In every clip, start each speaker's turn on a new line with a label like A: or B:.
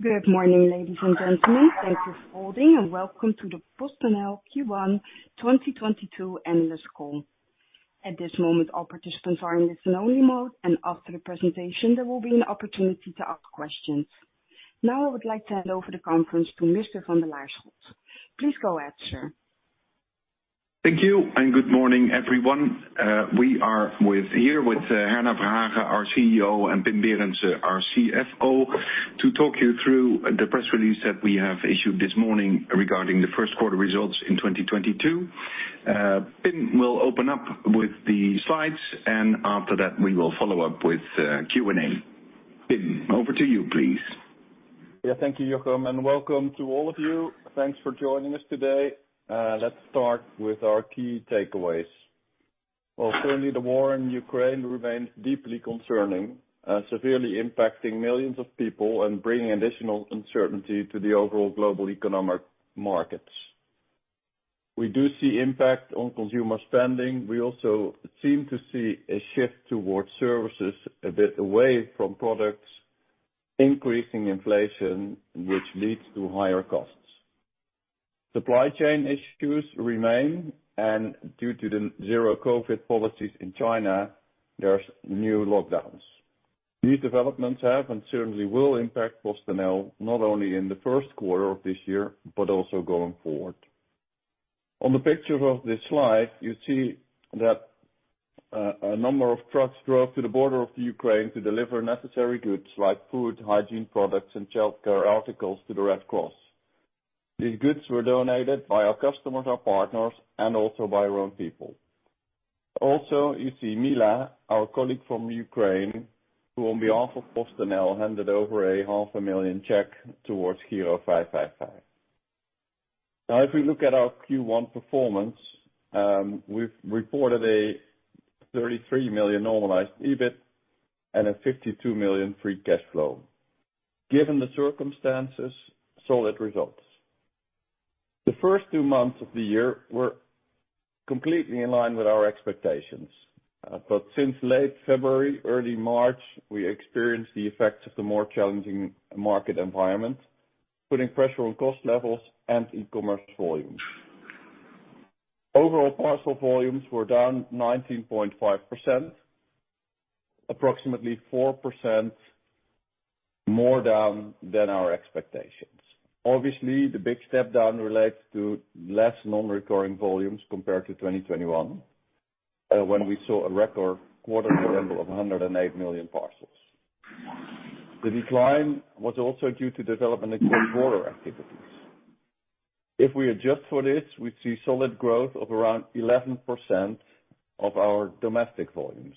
A: Good morning, ladies and gentlemen. Thank you for holding and welcome to the PostNL Q1 2022 earnings call. At this moment, all participants are in listen only mode, and after the presentation, there will be an opportunity to ask questions. Now, I would like to hand over the conference to Mr. van de Laarschot. Please go ahead, sir.
B: Thank you, and good morning, everyone. We are here with Herna Verhagen, our CEO, and Pim Berendsen, our CFO, to talk you through the press release that we have issued this morning regarding the first quarter results in 2022. Pim will open up with the slides, and after that, we will follow up with Q&A. Pim, over to you, please.
C: Yeah. Thank you, Jochem, and welcome to all of you. Thanks for joining us today. Let's start with our key takeaways. Well, currently, the war in Ukraine remains deeply concerning, severely impacting millions of people and bringing additional uncertainty to the overall global economic markets. We do see impact on consumer spending. We also seem to see a shift towards services a bit away from products, increasing inflation, which leads to higher costs. Supply chain issues remain, and due to the zero COVID policies in China, there's new lockdowns. These developments have and certainly will impact PostNL, not only in the first quarter of this year but also going forward. On the picture of this slide, you see that a number of trucks drove to the border of the Ukraine to deliver necessary goods like food, hygiene products, and childcare articles to the Red Cross. These goods were donated by our customers, our partners, and also by our own people. Also, you see Mila, our colleague from Ukraine, who on behalf of PostNL, handed over a 500,000 check towards Giro555. Now, if we look at our Q1 performance, we've reported a 33 million normalized EBIT and a 52 million free cash flow. Given the circumstances, solid results. The first two months of the year were completely in line with our expectations. Since late February, early March, we experienced the effects of the more challenging market environment, putting pressure on cost levels and e-commerce volumes. Overall parcel volumes were down 19.5%, approximately 4% more down than our expectations. Obviously, the big step down relates to less non-recurring volumes compared to 2021, when we saw a record quarter level of 108 million parcels. The decline was also due to development in cross-border activities. If we adjust for this, we see solid growth of around 11% of our domestic volumes.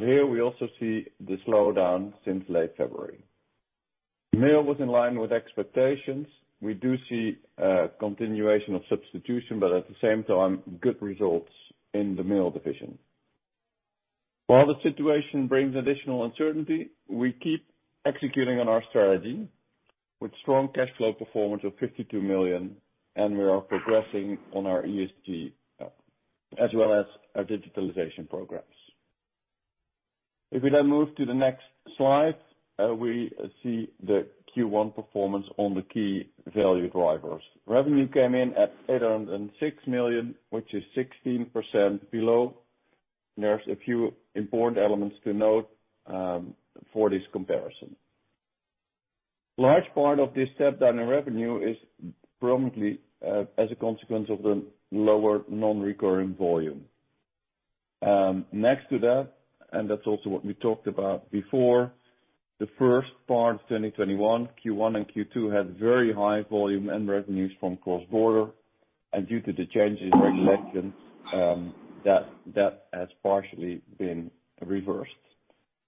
C: Here we also see the slowdown since late February. Mail was in line with expectations. We do see a continuation of substitution, but at the same time, good results in the mail division. While the situation brings additional uncertainty, we keep executing on our strategy with strong cash flow performance of 52 million, and we are progressing on our ESG, as well as our digitalization programs. If we then move to the next slide, we see the Q1 performance on the key value drivers. Revenue came in at 806 million, which is 16% below. There's a few important elements to note, for this comparison. large part of this step-down in revenue is prominently as a consequence of the lower non-recurring volume. Next to that, and that's also what we talked about before, the first part of 2021, Q1 and Q2 had very high volume and revenues from cross-border, and due to the change in regulations, that has partially been reversed.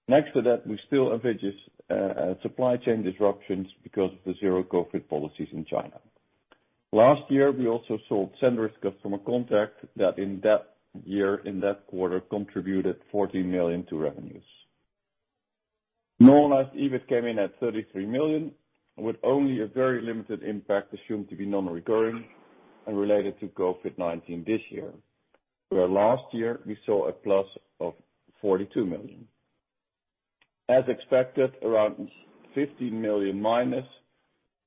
C: Next to that, we still envisage supply chain disruptions because of the zero-COVID policies in China. Last year, we also sold Cendris customer contact that in that year, in that quarter, contributed 40 million to revenues. Normalized EBIT came in at 33 million, with only a very limited impact assumed to be non-recurring and related to COVID-19 this year. Where last year we saw a plus of 42 million. As expected, around -50 million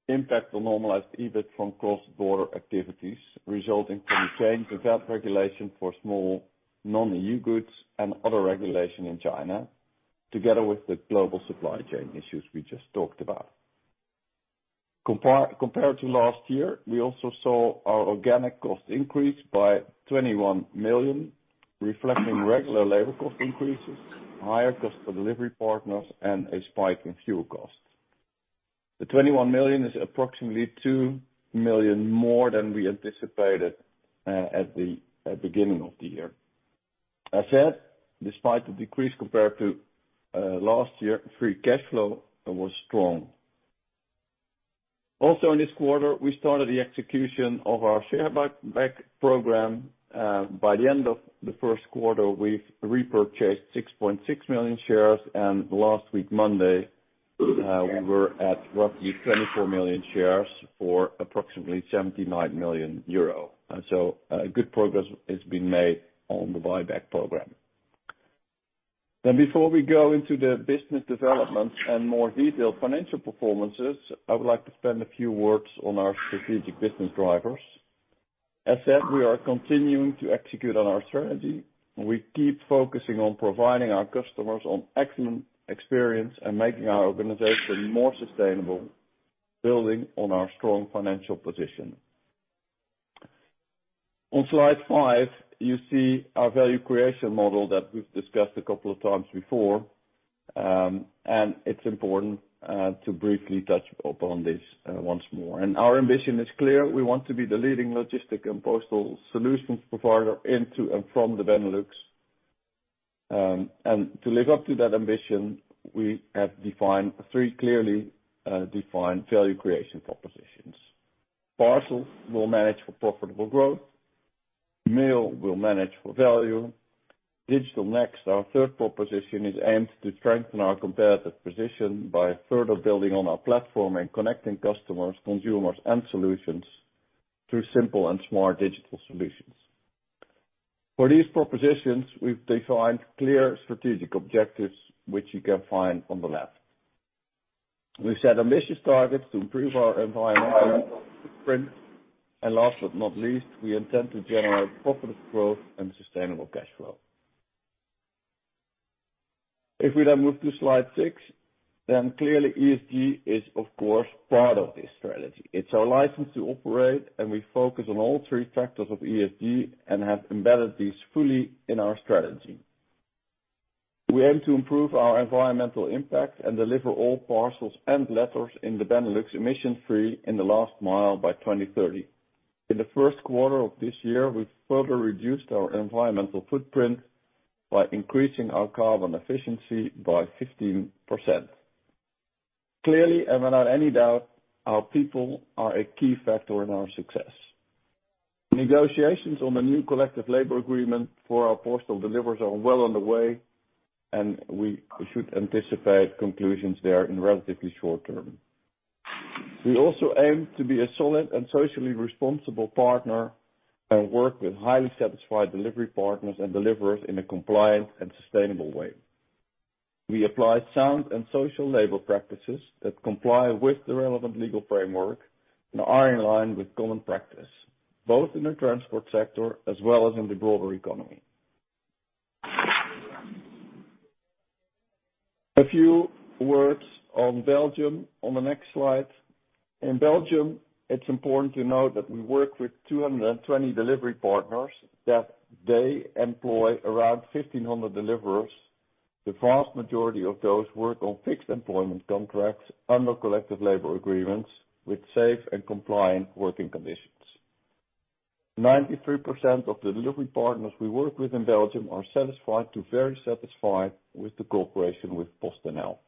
C: impact on normalized EBIT from cross-border activities, resulting from change of that regulation for small non-EU goods and other regulation in China, together with the global supply chain issues we just talked about. Compared to last year, we also saw our organic cost increase by 21 million, reflecting regular labor cost increases, higher cost for delivery partners, and a spike in fuel costs. The 21 million is approximately 2 million more than we anticipated at the beginning of the year. As said, despite the decrease compared to last year, free cash flow was strong. Also in this quarter, we started the execution of our share buyback program. By the end of the first quarter, we've repurchased 6.6 million shares, and last week, Monday, we were at roughly 24 million shares for approximately 79 million euro. Good progress has been made on the buyback program. Before we go into the business development and more detailed financial performances, I would like to spend a few words on our strategic business drivers. As said, we are continuing to execute on our strategy. We keep focusing on providing our customers on excellent experience and making our organization more sustainable, building on our strong financial position. On slide five, you see our value creation model that we've discussed a couple of times before, and it's important to briefly touch upon this once more. Our ambition is clear. We want to be the leading logistics and postal solutions provider into and from the Benelux. To live up to that ambition, we have defined three clearly defined value creation propositions. Parcels, we'll manage for profitable growth. Mail, we'll manage for value. Digital Next, our third proposition, is aimed to strengthen our competitive position by further building on our platform and connecting customers, consumers, and solutions through simple and smart digital solutions. For these propositions, we've defined clear strategic objectives, which you can find on the left. We've set ambitious targets to improve our environmental footprint. Last but not least, we intend to generate profitable growth and sustainable cash flow. If we now move to slide six, then clearly ESG is, of course, part of this strategy. It's our license to operate, and we focus on all three factors of ESG and have embedded these fully in our strategy. We aim to improve our environmental impact and deliver all parcels and letters in the Benelux emission-free in the last mile by 2030. In the first quarter of this year, we further reduced our environmental footprint by increasing our carbon efficiency by 15%. Clearly, and without any doubt, our people are a key factor in our success. Negotiations on the new collective labor agreement for our postal deliverers are well on the way, and we should anticipate conclusions there in relatively short term. We also aim to be a solid and socially responsible partner and work with highly satisfied delivery partners and deliverers in a compliant and sustainable way. We apply sound and social labor practices that comply with the relevant legal framework and are in line with common practice, both in the transport sector as well as in the broader economy. A few words on Belgium on the next slide. In Belgium, it's important to note that we work with 220 delivery partners, that they employ around 1,500 deliverers. The vast majority of those work on fixed employment contracts under collective labor agreements with safe and compliant working conditions. 93% of the delivery partners we work with in Belgium are satisfied to very satisfied with the cooperation with PostNL.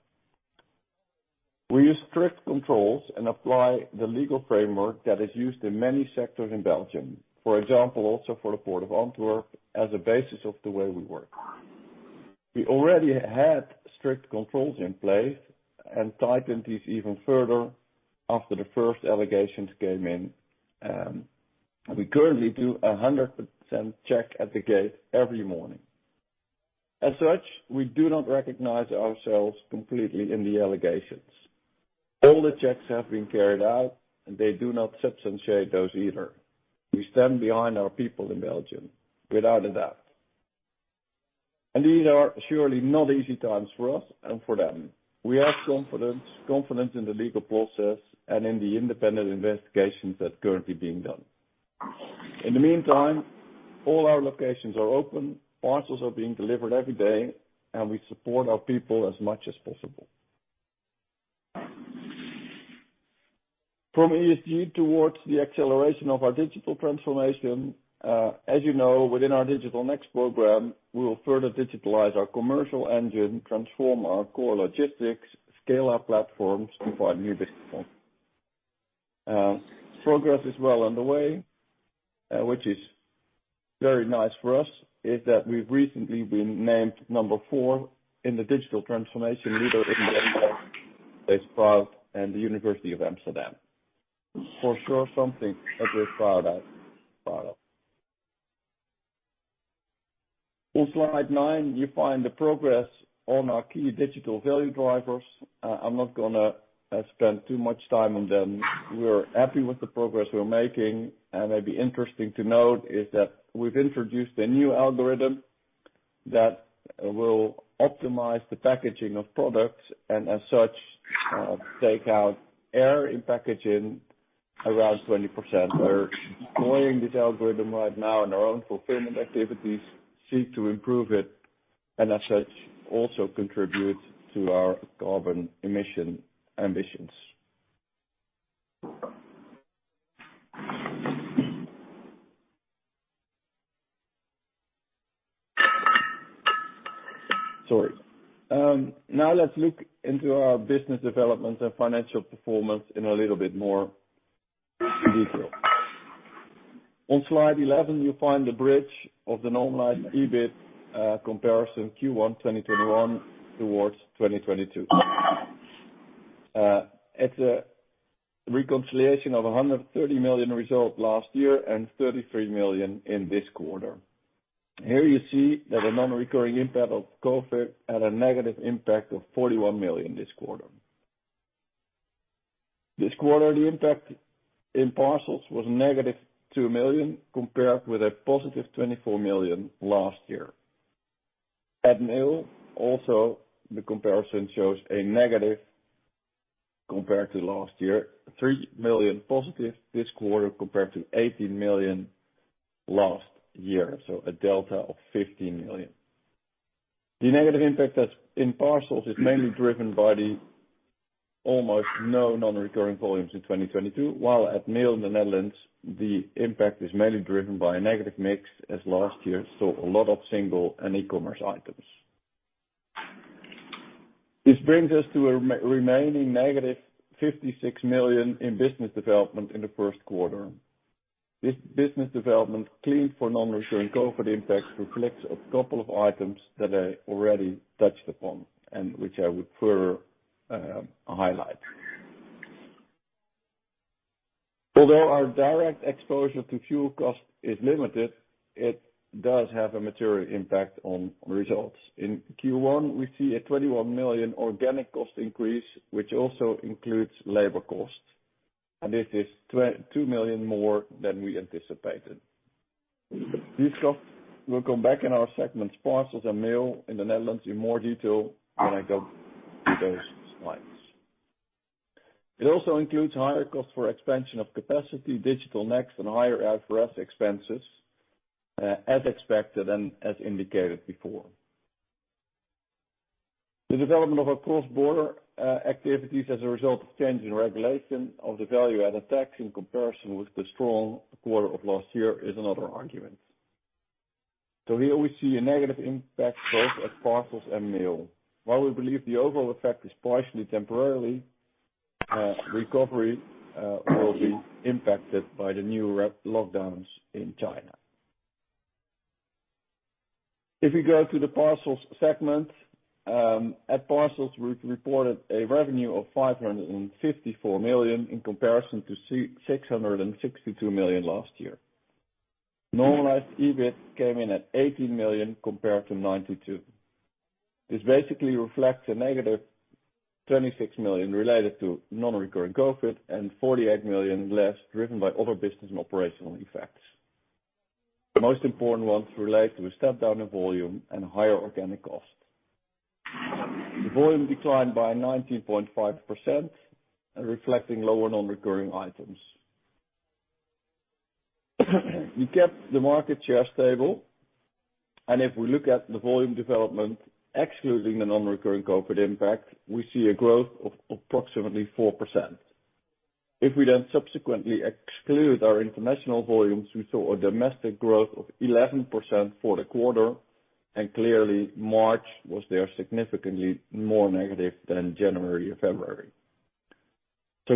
C: We use strict controls and apply the legal framework that is used in many sectors in Belgium. For example, also for the Port of Antwerp, as a basis of the way we work. We already had strict controls in place and tightened this even further after the first allegations came in. We currently do a 100% check at the gate every morning. As such, we do not recognize ourselves completely in the allegations. All the checks have been carried out, and they do not substantiate those either. We stand behind our people in Belgium, without a doubt. These are surely not easy times for us and for them. We have confidence in the legal process and in the independent investigations that's currently being done. In the meantime, all our locations are open, parcels are being delivered every day, and we support our people as much as possible. From ESG towards the acceleration of our digital transformation, as you know, within our Digital Next program, we will further digitalize our commercial engine, transform our core logistics, scale our platforms to find new business models. Progress is well on the way, which is very nice for us is that we've recently been named number four in the digital transformation leader index by Deloitte and the University of Amsterdam. For sure, something that we're proud of. On slide nine, you find the progress on our key digital value drivers. I'm not gonna spend too much time on them. We're happy with the progress we're making. Maybe interesting to note is that we've introduced a new algorithm that will optimize the packaging of products and as such, take out air in packaging around 20%. We're employing this algorithm right now in our own fulfillment activities, seek to improve it, and as such, also contribute to our carbon emission ambitions. Sorry. Now let's look into our business development and financial performance in a little bit more detail. On slide 11, you find the bridge of the normalized EBIT comparison Q1 2021 towards 2022. It's a reconciliation of a 130 million result last year and 33 million in this quarter. Here you see that a non-recurring impact of COVID had a negative impact of 41 million this quarter. This quarter, the impact in parcels was - 2 million, compared with a +24 million last year. At Mail, also, the comparison shows a negative compared to last year, 3 million positive this quarter compared to 18 million last year, so a delta of 15 million. The negative impact that's in parcels is mainly driven by the almost no non-recurring volumes in 2022, while at Mail in the Netherlands, the impact is mainly driven by a negative mix as last year, so a lot of single and e-commerce items. This brings us to a remaining -56 million in business development in the first quarter. This business development, cleaned for non-recurring COVID impacts, reflects a couple of items that I already touched upon and which I would further highlight. Although our direct exposure to fuel cost is limited, it does have a material impact on results. In Q1, we see a 21 million organic cost increase, which also includes labor costs, and this is 22 million more than we anticipated. These costs will come back in our segments, parcels and mail in the Netherlands, in more detail when I go through those slides. It also includes higher costs for expansion of capacity, Digital Next, and higher IFRS expenses, as expected and as indicated before. The development of our cross-border activities as a result of change in regulation of the value-added tax in comparison with the strong quarter of last year is another argument. Here we see a negative impact both at parcels and mail. While we believe the overall effect is partially temporarily, recovery will be impacted by the new lockdowns in China. If you go to the parcels segment, at parcels, we've reported a revenue of 554 million in comparison to 662 million last year. Normalized EBIT came in at 18 million compared to 92. This basically reflects a -26 million related to non-recurring COVID and 48 million less driven by other business and operational effects. The most important ones relate to a step-down in volume and higher organic costs. The volume declined by 19.5%, reflecting lower non-recurring items. We kept the market share stable, and if we look at the volume development, excluding the non-recurring COVID impact, we see a growth of approximately 4%. If we then subsequently exclude our international volumes, we saw a domestic growth of 11% for the quarter, and clearly March was there significantly more negative than January or February.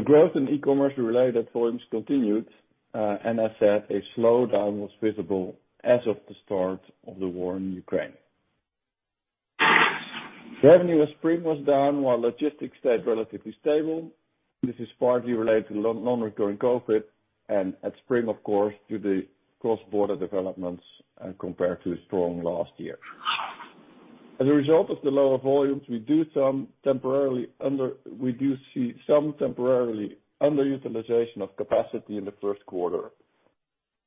C: Growth in e-commerce-related volumes continued, and I said a slowdown was visible as of the start of the war in Ukraine. The revenue at Spring was down while logistics stayed relatively stable. This is partly related to non-recurring COVID and at Spring, of course, due to the cross-border developments, compared to a strong last year. As a result of the lower volumes, we do some temporarily under. We do see some temporarily underutilization of capacity in the first quarter.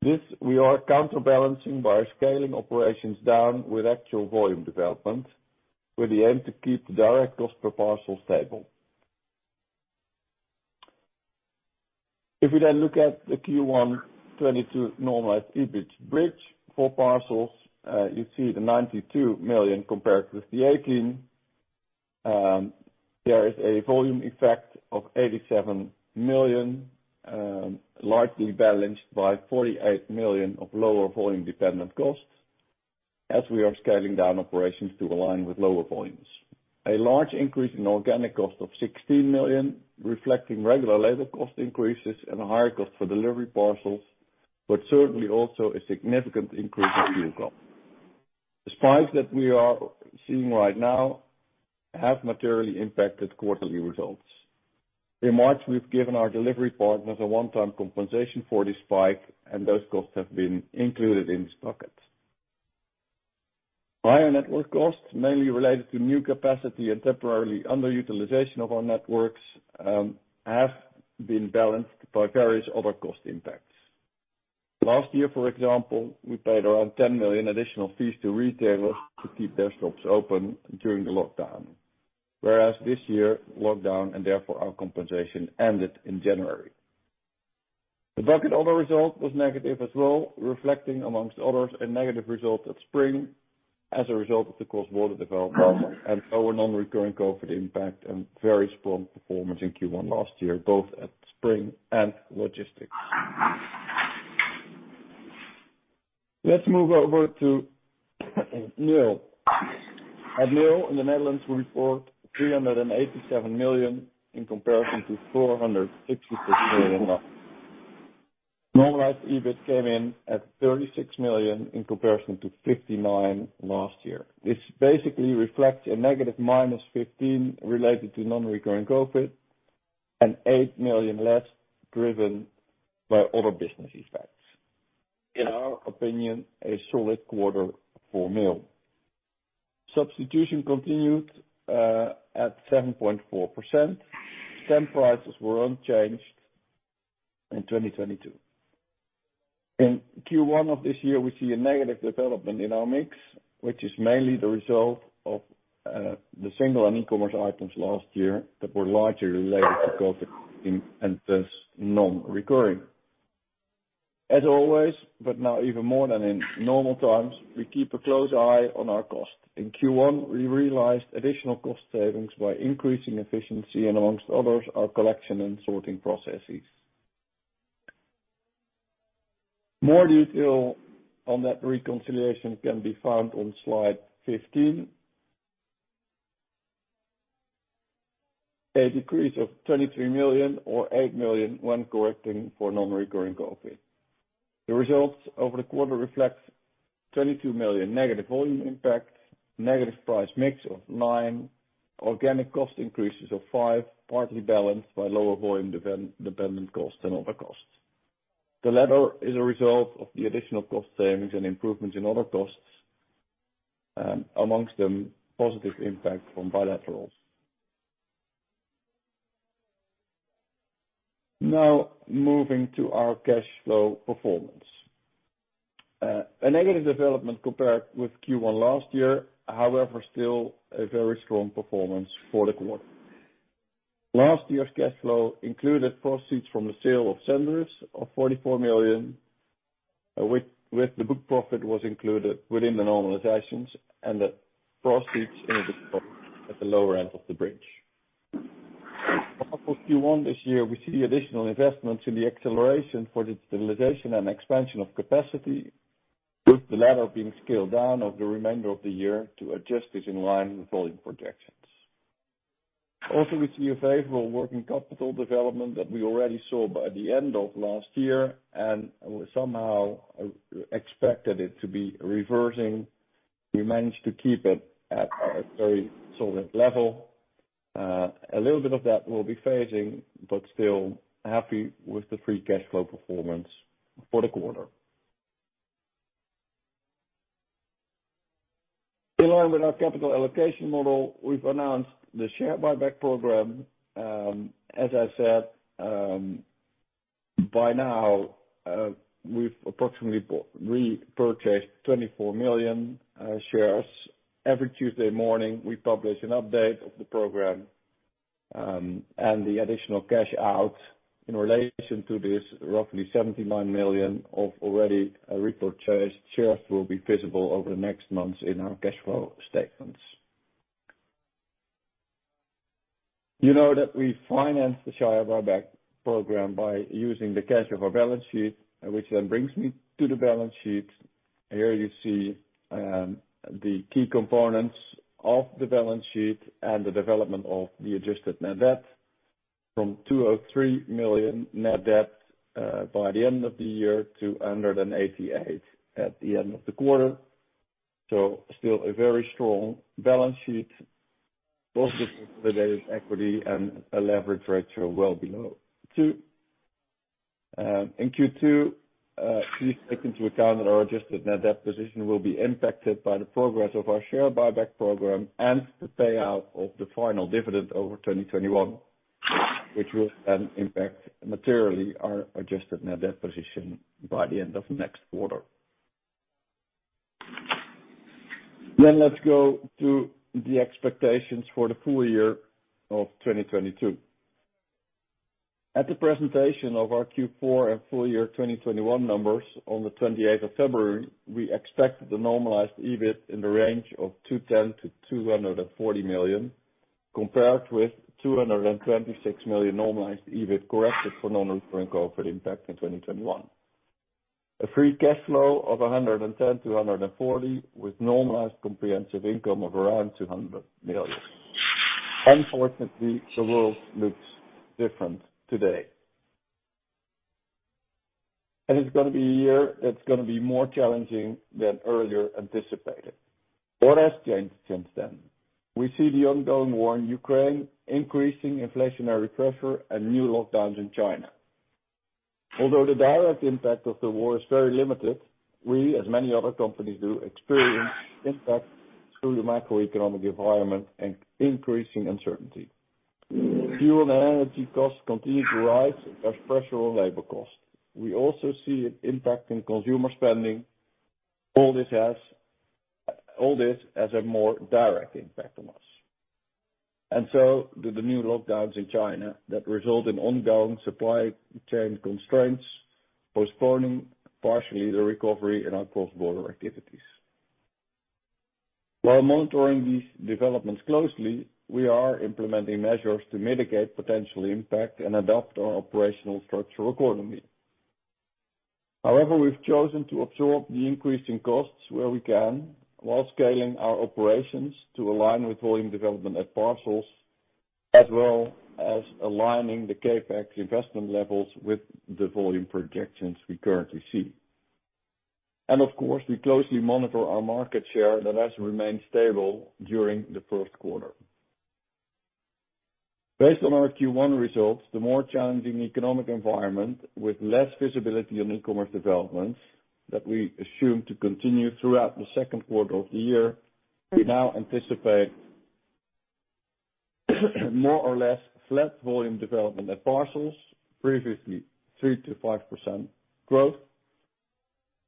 C: This we are counterbalancing by scaling operations down with actual volume development, with the aim to keep the direct cost per parcel stable. If we then look at the Q1 2022 normalized EBIT bridge for parcels, you see the 92 million compared with the 18. There is a volume effect of 87 million, largely balanced by 48 million of lower volume-dependent costs as we are scaling down operations to align with lower volumes. A large increase in organic cost of 16 million, reflecting regular labor cost increases and a higher cost for delivery parcels, but certainly also a significant increase in fuel costs. The spikes that we are seeing right now have materially impacted quarterly results. In March, we've given our delivery partners a one-time compensation for this spike, and those costs have been included in this bucket. Higher network costs, mainly related to new capacity and temporarily underutilization of our networks, have been balanced by various other cost impacts. Last year, for example, we paid around 10 million additional fees to retailers to keep their shops open during the lockdown. Whereas this year, lockdown, and therefore our compensation, ended in January. The bucket other result was negative as well, reflecting, among others, a negative result at Spring as a result of the cross-border development and our non-recurring COVID impact and very strong performance in Q1 last year, both at Spring and Logistics. Let's move over to Mail. At Mail in the Netherlands, we report 387 million in comparison to 466 million last year. Normalized EBIT came in at 36 million in comparison to 59 million last year. This basically reflects a -15 million related to non-recurring COVID-19 and 8 million less driven by other business effects. In our opinion, a solid quarter for mail. Substitution continued at 7.4%. Stamp prices were unchanged in 2022. In Q1 of this year, we see a negative development in our mix, which is mainly the result of the single and e-commerce items last year that were largely related to COVID-19 and thus non-recurring. As always, but now even more than in normal times, we keep a close eye on our cost. In Q1, we realized additional cost savings by increasing efficiency and among others, our collection and sorting processes. More detail on that reconciliation can be found on slide 15. A decrease of 23 million or 8 million when correcting for non-recurring COVID. The results over the quarter reflect 22 million negative volume impact, negative price mix of 9%, organic cost increases of 5%, partly balanced by lower volume dependent costs and other costs. The latter is a result of the additional cost savings and improvements in other costs, and amongst them, positive impact from bilaterals. Now, moving to our cash flow performance. A negative development compared with Q1 last year, however, still a very strong performance for the quarter. Last year's cash flow included proceeds from the sale of Cendris of 44 million, which with the book profit was included within the normalizations and the proceeds in at the lower end of the bridge. Q1 this year, we see additional investments in the acceleration for the stabilization and expansion of capacity, with the latter being scaled down over the remainder of the year to adjust it in line with volume projections. Also, we see a favorable working capital development that we already saw by the end of last year, and we somehow expected it to be reversing. We managed to keep it at a very solid level. A little bit of that will be phasing, but still happy with the free cash flow performance for the quarter. In line with our capital allocation model, we've announced the share buyback program. As I said, by now, we've approximately repurchased 24 million shares. Every Tuesday morning, we publish an update of the program, and the additional cash out in relation to this, roughly 79 million of already repurchased shares will be visible over the next months in our cash flow statements. You know that we financed the share buyback program by using the cash of our balance sheet, which then brings me to the balance sheet. Here you see, the key components of the balance sheet and the development of the adjusted net debt from 203 million net debt by the end of the year to 188 million at the end of the quarter. Still a very strong balance sheet, both with equity and a leverage ratio well below two. In Q2, please take into account that our adjusted net debt position will be impacted by the progress of our share buyback program and the payout of the final dividend over 2021, which will then impact materially our adjusted net debt position by the end of next quarter. Let's go to the expectations for the full year of 2022. At the presentation of our Q4 and full year 2021 numbers on the twenty-eighth of February, we expect the normalized EBIT in the range of 210 million-240 million, compared with 226 million normalized EBIT, corrected for non-recurring COVID impact in 2021. A free cash flow of 110 million-140 million, with normalized comprehensive income of around 200 million. Unfortunately, the world looks different today. It's gonna be a year that's gonna be more challenging than earlier anticipated. What has changed since then? We see the ongoing war in Ukraine, increasing inflationary pressure, and new lockdowns in China. Although the direct impact of the war is very limited, we, as many other companies do, experience impact through the macroeconomic environment and increasing uncertainty. Fuel and energy costs continue to rise as pressure on labor costs. We also see an impact in consumer spending. All this has a more direct impact on us. So do the new lockdowns in China that result in ongoing supply chain constraints, postponing partially the recovery in our cross-border activities. While monitoring these developments closely, we are implementing measures to mitigate potential impact and adapt our operational structure accordingly. However, we've chosen to absorb the increase in costs where we can while scaling our operations to align with volume development at parcels. As well as aligning the CapEx investment levels with the volume projections we currently see. Of course, we closely monitor our market share that has remained stable during the first quarter. Based on our Q1 results, the more challenging economic environment with less visibility on e-commerce developments that we assume to continue throughout the second quarter of the year, we now anticipate more or less flat volume development at parcels, previously 3%-5% growth.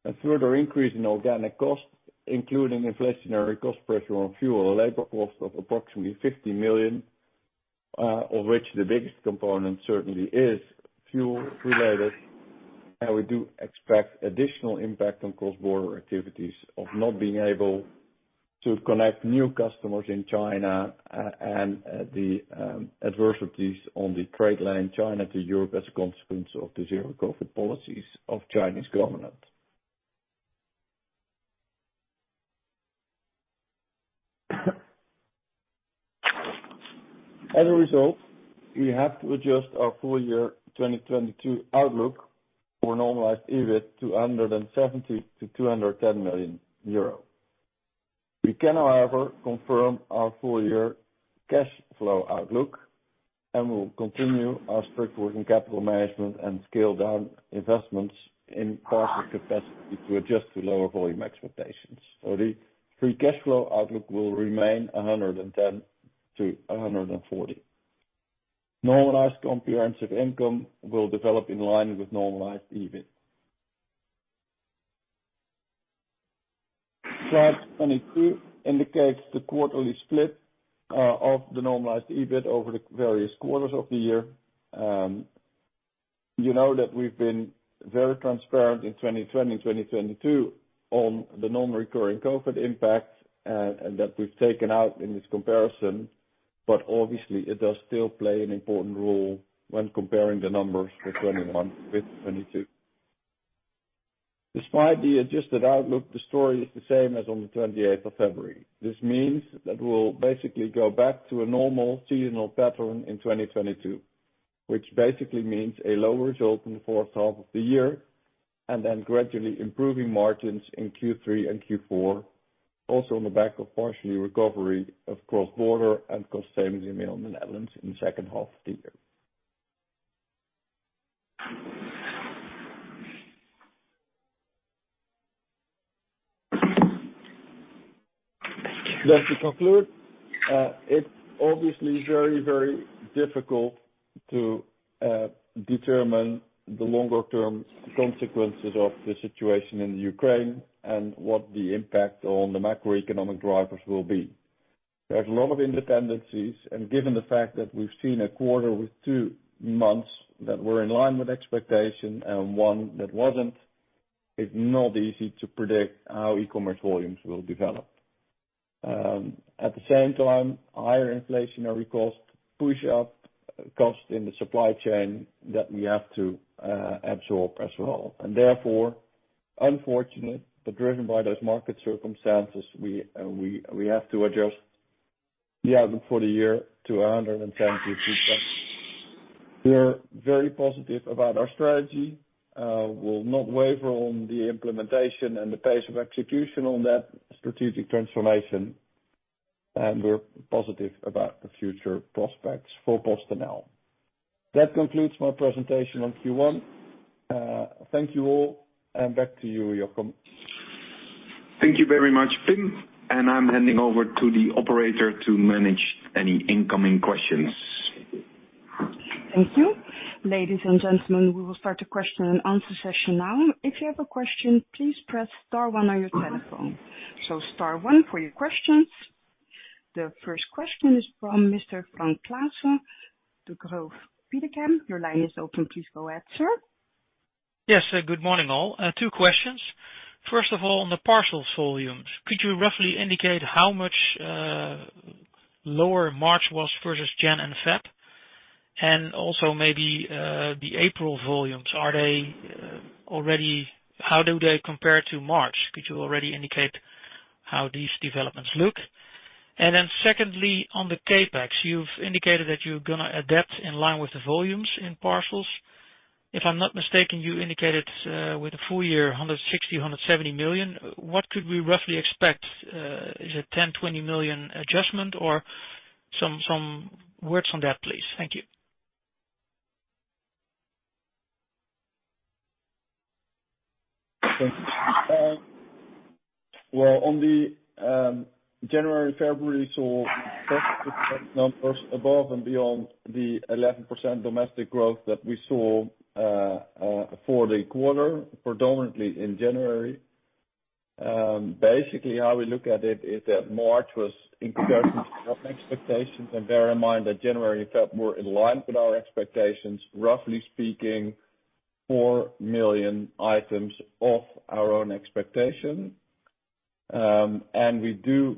C: A further increase in organic costs, including inflationary cost pressure on fuel and labor costs of approximately 50 million, of which the biggest component certainly is fuel related. We do expect additional impact on cross-border activities of not being able to connect new customers in China, and the adversities on the trade line China to Europe as a consequence of the zero-COVID policies of Chinese government. As a result, we have to adjust our full year 2022 outlook for normalized EBIT to 170 million-210 million euro. We can, however, confirm our full year cash flow outlook, and we will continue our strict working capital management and scale down investments in parts of capacity to adjust to lower volume expectations. The free cash flow outlook will remain 110 million-140 million. Normalized comprehensive income will develop in line with normalized EBIT. Slide 22 indicates the quarterly split of the normalized EBIT over the various quarters of the year. You know that we've been very transparent in 2020, 2022 on the non-recurring COVID impact, and that we've taken out in this comparison, but obviously it does still play an important role when comparing the numbers for 2021 with 2022. Despite the adjusted outlook, the story is the same as on the twenty-eighth of February. This means that we'll basically go back to a normal seasonal pattern in 2022, which basically means a lower result in the first half of the year, and then gradually improving margins in Q3 and Q4, also on the back of partial recovery of cross-border and cost savings in mail in the Netherlands in the second half of the year. To conclude, it's obviously very, very difficult to determine the longer term consequences of the situation in Ukraine and what the impact on the macroeconomic drivers will be. There's a lot of uncertainties, and given the fact that we've seen a quarter with two months that were in line with expectations and one that wasn't, it's not easy to predict how e-commerce volumes will develop. At the same time, higher inflationary costs push up costs in the supply chain that we have to absorb as well. Therefore, unfortunately, but driven by those market circumstances, we have to adjust the outlook for the year to 110 million-120 million. We are very positive about our strategy. We'll not waver on the implementation and the pace of execution on that strategic transformation. We're positive about the future prospects for PostNL. That concludes my presentation on Q1. Thank you all, and back to you, Jochem.
B: Thank you very much, Pim. I'm handing over to the operator to manage any incoming questions.
A: Thank you. Ladies and gentlemen, we will start the question and answer session now. If you have a question, please press star one on your telephone. Star one for your questions. The first question is from Mr. Frank Claassen, Degroof Petercam. Your line is open. Please go ahead, sir.
D: Yes, good morning, all. Two questions. First of all, on the parcels volumes, could you roughly indicate how much lower March was versus Jan and Feb? Also maybe the April volumes, are they already? How do they compare to March? Could you already indicate how these developments look? Then secondly, on the CapEx, you've indicated that you're gonna adapt in line with the volumes in parcels. If I'm not mistaken, you indicated with the full year 160 million-170 million. What could we roughly expect? Is it 10 million-20 million adjustment, or some words on that, please? Thank you.
C: Thank you. Well, on the January, February, so numbers above and beyond the 11% domestic growth that we saw for the quarter, predominantly in January. Basically, how we look at it is that March was in line with expectations, and bear in mind that January, Feb were in line with our expectations, roughly speaking, 4 million items off our own expectation. We do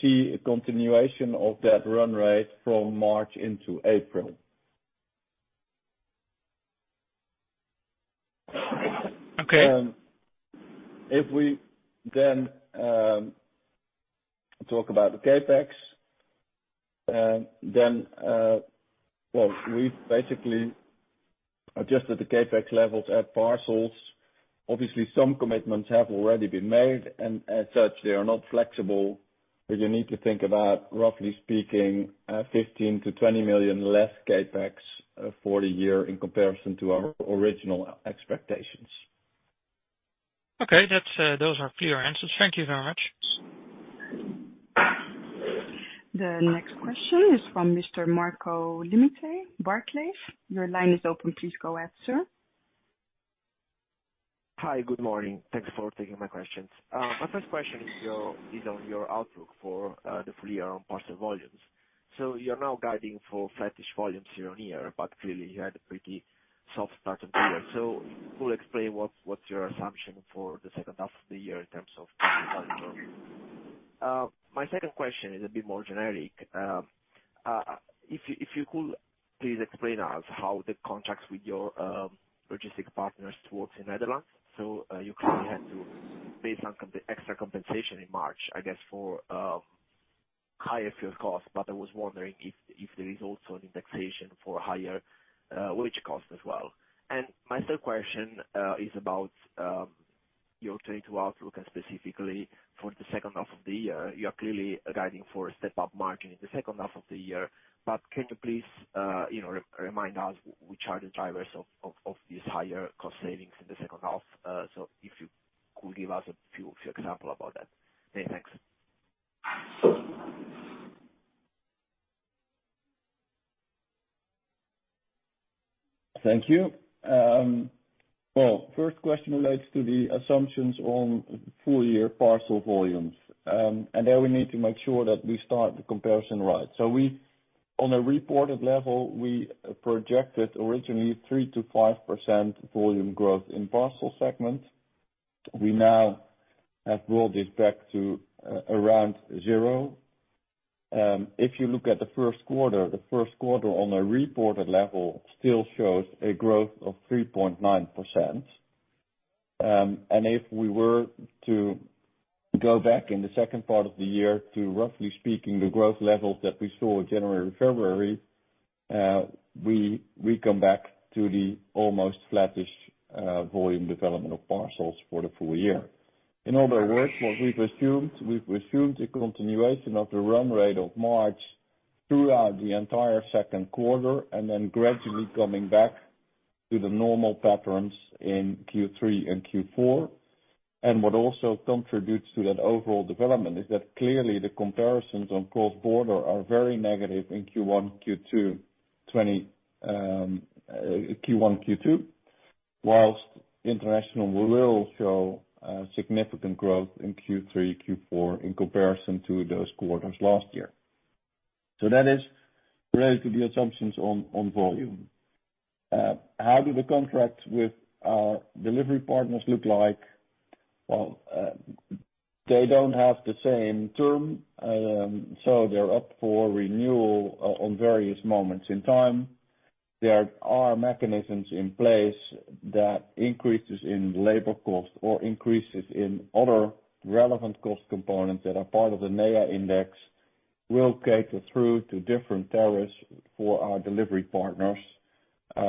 C: see a continuation of that run rate from March into April.
D: Okay.
C: If we then talk about the CapEx, then, well, we basically adjusted the CapEx levels at parcels. Obviously some commitments have already been made and as such, they are not flexible. But you need to think about, roughly speaking, 15 million-20 million less CapEx for the year in comparison to our original expectations.
D: Okay. That's those are clear answers. Thank you very much.
A: The next question is from Mr. Marco Limite, Barclays. Your line is open. Please go ahead, sir.
E: Hi, good morning. Thanks for taking my questions. My first question is on your outlook for the full year on parcel volumes. You're now guiding for flattish volumes year-on-year, but clearly you had a pretty soft start of the year. Could you explain what's your assumption for the second half of the year in terms of volume growth? My second question is a bit more generic. If you could please explain to us how the contracts with your logistics partners works in the Netherlands. You clearly had to pay the extra compensation in March, I guess for higher fuel costs, but I was wondering if there is also an indexation for higher wage costs as well. My third question is about your 2022 outlook and specifically for the second half of the year. You are clearly guiding for a step up margin in the second half of the year, but can you please, you know, remind us which are the drivers of these higher cost savings in the second half? So if you could give us a few example about that. Okay, thanks.
C: Thank you. Well, first question relates to the assumptions on full year parcel volumes. There we need to make sure that we start the comparison right. On a reported level, we projected originally 3%-5% volume growth in parcel segment. We now have rolled this back to around 0%. If you look at the first quarter, the first quarter on a reported level still shows a growth of 3.9%. If we were to go back in the second part of the year to roughly speaking the growth levels that we saw January, February, we come back to the almost flattish volume development of parcels for the full year. In other words, what we've assumed a continuation of the run rate of March throughout the entire second quarter and then gradually coming back to the normal patterns in Q3 and Q4. What also contributes to that overall development is that clearly the comparisons on cross-border are very negative in Q1, Q2 2020, while international will show significant growth in Q3, Q4 in comparison to those quarters last year. That is related to the assumptions on volume. How do the contracts with our delivery partners look like? They don't have the same term, so they're up for renewal on various moments in time. There are mechanisms in place that increases in labor cost or increases in other relevant cost components that are part of the NEA index will carry through to different tariffs for our delivery partners, as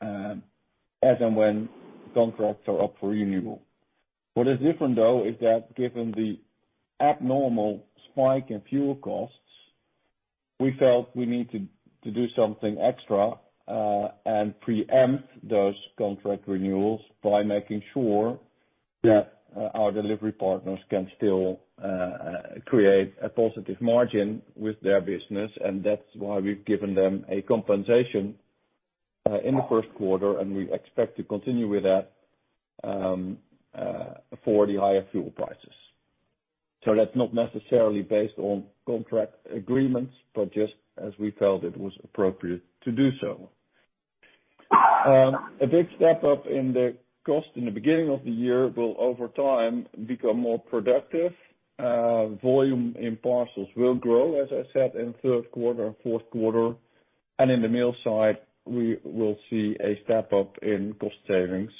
C: and when contracts are up for renewal. What is different though is that given the abnormal spike in fuel costs, we felt we need to do something extra, and preempt those contract renewals by making sure that our delivery partners can still create a positive margin with their business, and that's why we've given them a compensation in the first quarter, and we expect to continue with that for the higher fuel prices. That's not necessarily based on contract agreements, but just as we felt it was appropriate to do so. A big step up in the cost in the beginning of the year will over time become more productive. Volume in parcels will grow, as I said, in third quarter and fourth quarter, and in the mail side, we will see a step up in cost savings,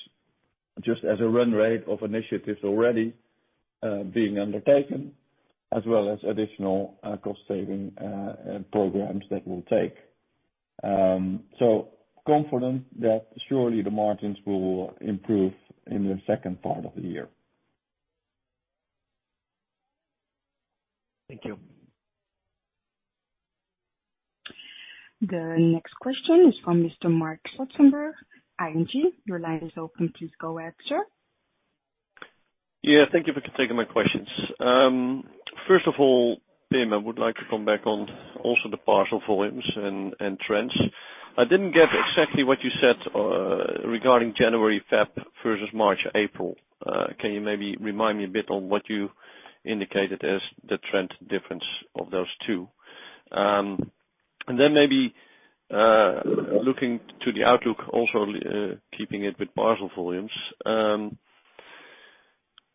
C: just as a run rate of initiatives already being undertaken, as well as additional cost saving programs that we'll take. Confident that surely the margins will improve in the second part of the year.
E: Thank you.
A: The next question is from Mr. Marc Zwartsenburg, ING. Your line is open. Please go ahead, sir.
F: Yeah, thank you for taking my questions. First of all, Pim, I would like to come back on also the parcel volumes and trends. I didn't get exactly what you said regarding January, February versus March, April. Can you maybe remind me a bit on what you indicated as the trend difference of those two? And then maybe looking to the outlook also, keeping it with parcel volumes,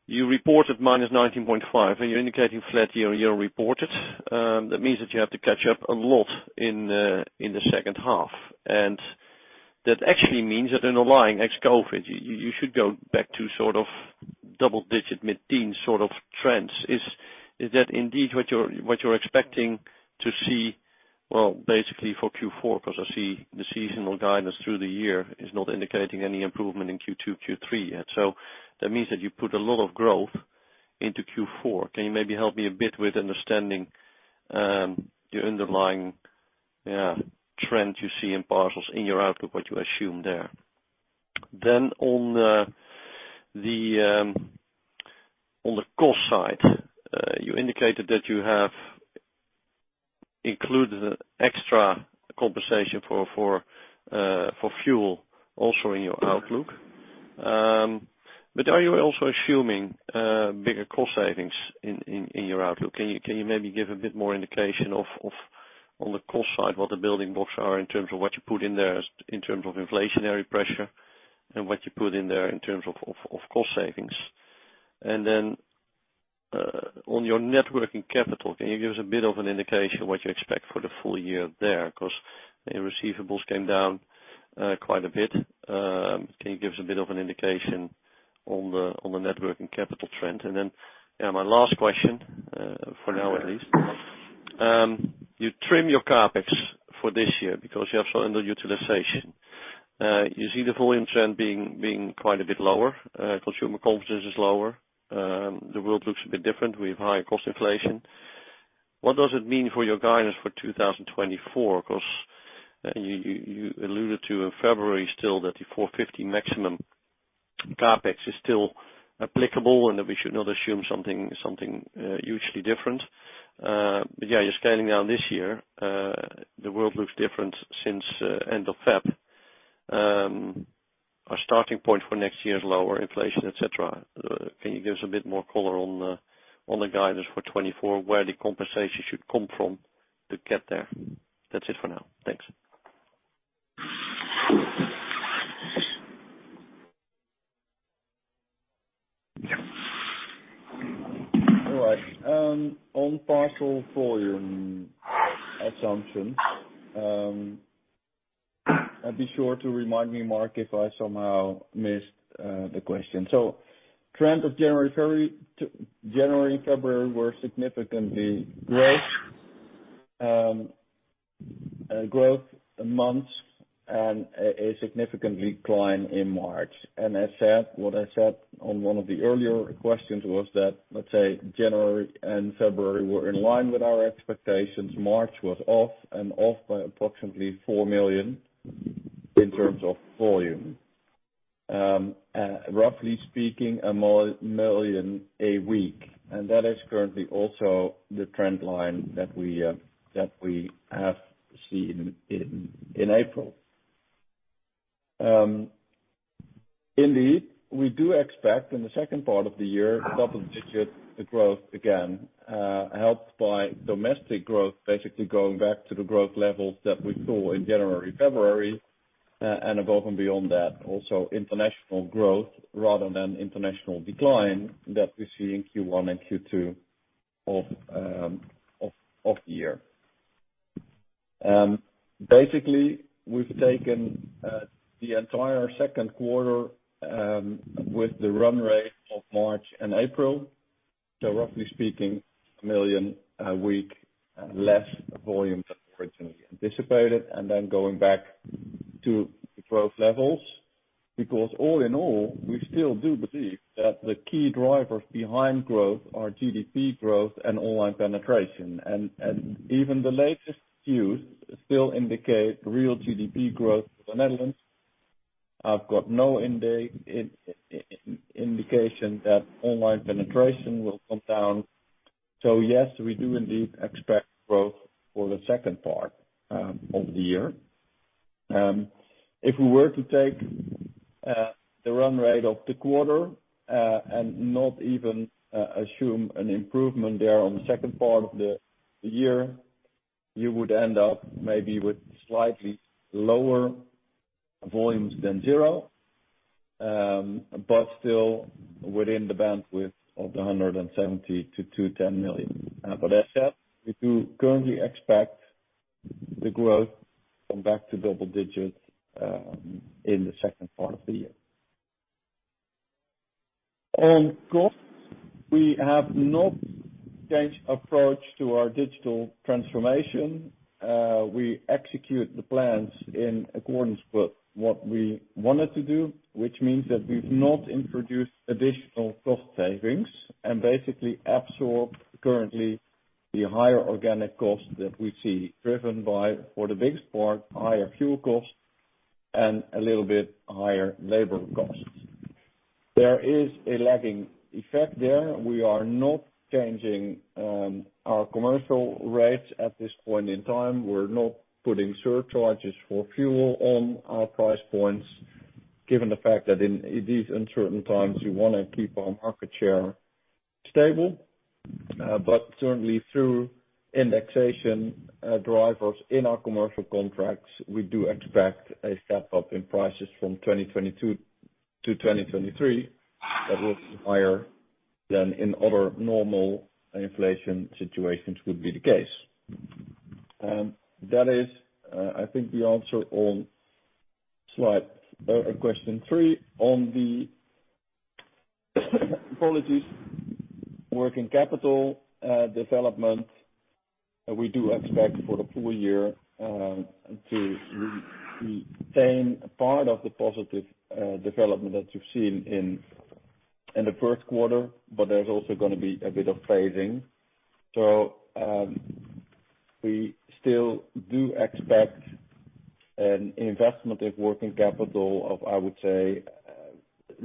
F: you reported -19.5%, and you're indicating flat year-over-year reported. That means that you have to catch up a lot in the second half. That actually means that in underlying ex-COVID, you should go back to sort of double-digit mid-teen sort of trends. Is that indeed what you're expecting to see, well, basically for Q4? 'Cause I see the seasonal guidance through the year is not indicating any improvement in Q2, Q3 yet. So, that means that you put a lot of growth into Q4. Can you maybe help me a bit with understanding your underlying trend you see in parcels in your outlook, what you assume there? On the cost side, you indicated that you have included extra compensation for fuel also in your outlook. Are you also assuming bigger cost savings in your outlook? Can you maybe give a bit more indication of on the cost side, what the building blocks are in terms of what you put in there in terms of inflationary pressure and what you put in there in terms of cost savings? On your net working capital, can you give us a bit of an indication what you expect for the full year there? 'Cause your receivables came down quite a bit. Can you give us a bit of an indication on the net working capital trend? Yeah, my last question, for now at least. You trim your CapEx for this year because you have some underutilization. You see the volume trend being quite a bit lower, consumer confidence is lower, the world looks a bit different. We have higher cost inflation. What does it mean for your guidance for 2024? 'Cause you alluded to in February still that the 450 maximum CapEx is still applicable, and that we should not assume something hugely different. Yeah, you're scaling down this year. The world looks different since end of Feb. Our starting point for next year is lower inflation, et cetera. Can you give us a bit more color on the guidance for 2024, where the compensation should come from to get there? That's it for now. Thanks.
C: All right. On parcel volume assumption, and be sure to remind me, Mark, if I somehow missed the question. Trend of January, February. January and February were significant growth months and a significant decline in March. As said, what I said on one of the earlier questions was that, let's say January and February were in line with our expectations. March was off, and off by approximately 4 million in terms of volume. Roughly speaking, 1 million a week, and that is currently also the trend line that we have seen in April. Indeed, we do expect in the second part of the year double-digit growth again, helped by domestic growth, basically going back to the growth levels that we saw in January, February, and above and beyond that, also international growth rather than international decline that we see in Q1 and Q2 of the year. Basically, we've taken the entire second quarter with the run rate of March and April. Roughly speaking, 1 million a week less volume than originally anticipated, and then going back to the growth levels. Because all in all, we still do believe that the key drivers behind growth are GDP growth and online penetration. Even the latest cues still indicate real GDP growth for the Netherlands. I've got no indication that online penetration will come down. We do indeed expect growth for the second part of the year. If we were to take the run rate of the quarter and not even assume an improvement there on the second part of the year, you would end up maybe with slightly lower volumes than zero, but still within the bandwidth of the 170 million-210 million. But as said, we do currently expect the growth come back to double digits in the second part of the year. On costs, we have not changed approach to our digital transformation. We execute the plans in accordance with what we wanted to do, which means that we've not introduced additional cost savings and basically absorbed currently the higher organic costs that we see driven by, for the biggest part, higher fuel costs and a little bit higher labor costs. There is a lagging effect there. We are not changing our commercial rates at this point in time. We're not putting surcharges for fuel on our price points. Given the fact that in these uncertain times, we wanna keep our market share stable, but certainly through indexation drivers in our commercial contracts, we do expect a step up in prices from 2022 to 2023. That will be higher than in other normal inflation situations would be the case. That is, I think the answer on slide or question three on the appendices. Working capital development, we do expect for the full year to retain part of the positive development that you've seen in the first quarter, but there's also gonna be a bit of phasing. We still do expect an investment of working capital of, I would say,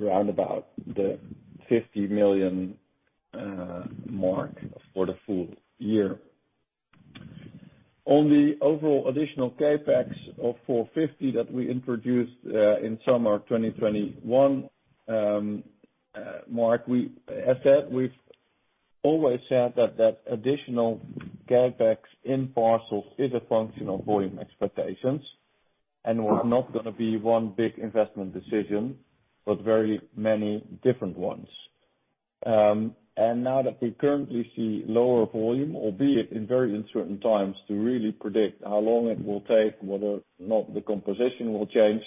C: around about the 50 million mark for the full year. On the overall additional CapEx of 450 that we introduced in summer 2021. Mark, as said, we've always said that additional CapEx in parcels is a function of volume expectations, and we're not gonna be one big investment decision, but very many different ones. Now that we currently see lower volume, albeit in very uncertain times, to really predict how long it will take, whether or not the composition will change.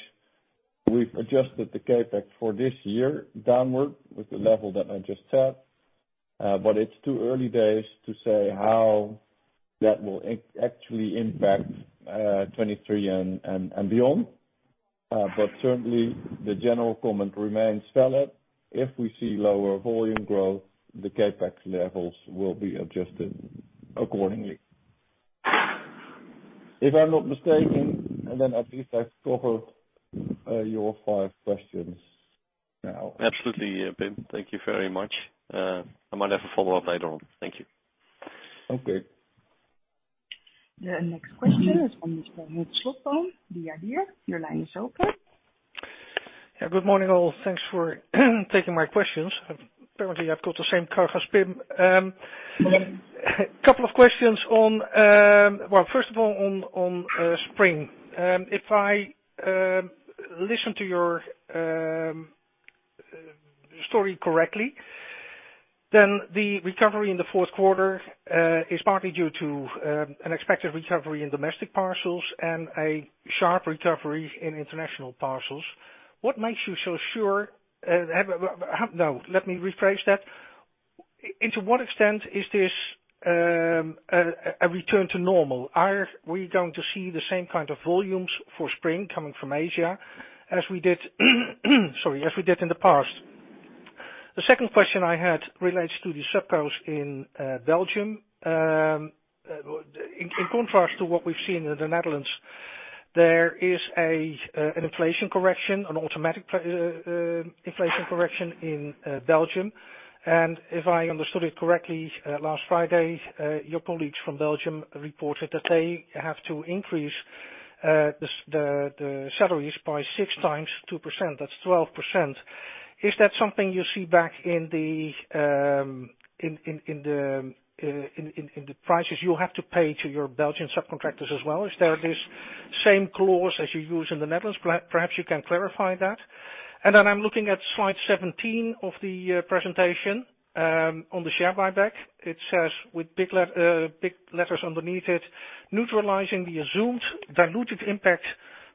C: We've adjusted the CapEx for this year downward with the level that I just set, but it's too early days to say how that will actually impact 2023 and beyond. Certainly the general comment remains valid. If we see lower volume growth, the CapEx levels will be adjusted accordingly. If I'm not mistaken, and then at least I've covered your five questions now.
F: Absolutely, Pim. Thank you very much. I might have a follow-up later on. Thank you.
C: Okay.
A: The next question is from Mr. Henk Slotboom The Idea. Your line is open.
G: Yeah, good morning, all. Thanks for taking my questions. Apparently, I've got the same cough as Pim. Couple of questions. Well, first of all, on Spring. If I listen to your story correctly, then the recovery in the fourth quarter is partly due to an expected recovery in domestic parcels and a sharp recovery in international parcels. What makes you so sure? No, let me rephrase that. To what extent is this a return to normal? Are we going to see the same kind of volumes for Spring coming from Asia as we did, sorry, as we did in the past? The second question I had relates to the costs in Belgium. In contrast to what we've seen in the Netherlands, there is an automatic inflation correction in Belgium. If I understood it correctly, last Friday, your colleagues from Belgium reported that they have to increase the salaries by six times 2%. That's 12%. Is that something you see back in the prices you have to pay to your Belgian subcontractors as well? Is there this same clause as you use in the Netherlands? Perhaps you can clarify that. Then I'm looking at slide 17 of the presentation on the share buyback. It says with big letters underneath it, neutralizing the assumed dilutive impact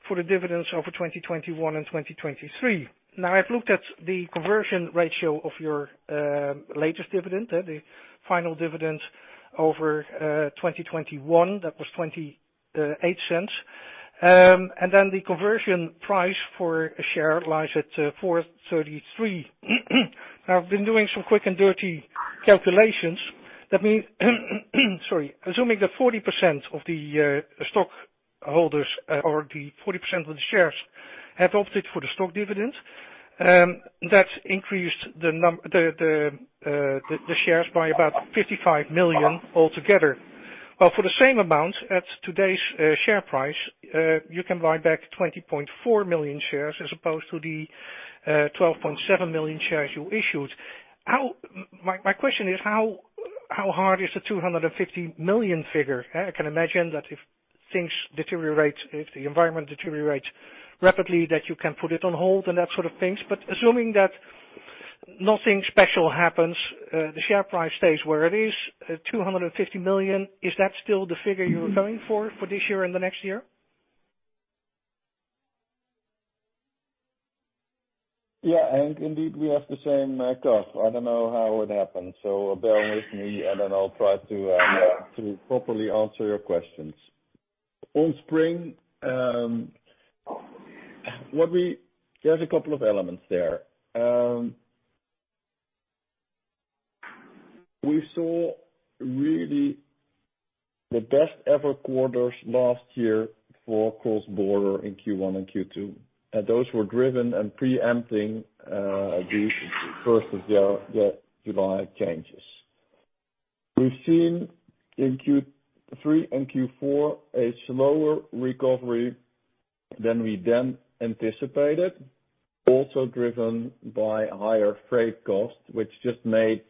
G: for the dividends over 2021 and 2023. Now, I've looked at the conversion ratio of your latest dividend, the final dividend over 2021. That was 0.28. And then the conversion price for a share lies at 4.33%. I've been doing some quick and dirty calculations. Assuming that 40% of the stockholders or the 40% of the shares have opted for the stock dividend, that increased the shares by about 55 million altogether. Well, for the same amount at today's share price, you can buy back 20.4 million shares as opposed to the 12.7 million shares you issued. My question is how hard is the 250 million figure? I can imagine that if things deteriorate, if the environment deteriorates rapidly, that you can put it on hold and that sort of things. Assuming that nothing special happens, the share price stays where it is, 250 million, is that still the figure you're going for this year and the next year?
C: Yeah, indeed, we have the same cough. I don't know how it happened. Bear with me, and then I'll try to properly answer your questions. On Spring, there's a couple of elements there. We saw really the best ever quarters last year for cross-border in Q1 and Q2. Those were driven and preempting the first of the July changes. We've seen in Q3 and Q4 a slower recovery than we then anticipated, also driven by higher freight costs, which just made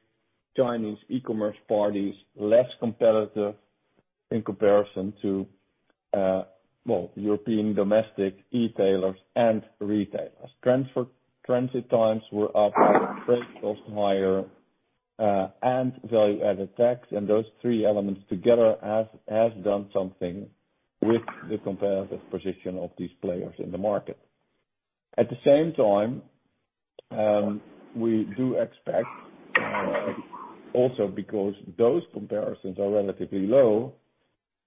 C: Chinese e-commerce parties less competitive in comparison to, well, European domestic e-tailers and retailers. Transit times were up, freight costs higher, and value-added tax, and those three elements together have done something with the competitive position of these players in the market. At the same time, we do expect, also because those comparisons are relatively low,